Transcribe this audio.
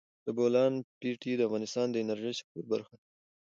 د بولان پټي د افغانستان د انرژۍ سکتور برخه ده.